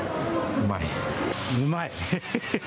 うまい。